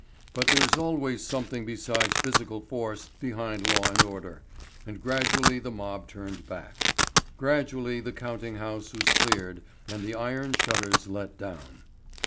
But there is always something besides physical force behind law and order, and gradually the mob turned back. Gradually the counting house was cleared and the iron shutters let down.